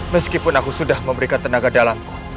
meskipun aku sudah memberikan tenaga dalamku